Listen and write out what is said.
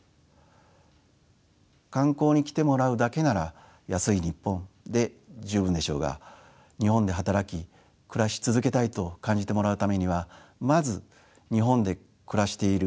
観光に来てもらうだけなら「安いニッポン！」で十分でしょうが日本で働き暮らし続けたいと感じてもらうためにはまず日本で暮らしている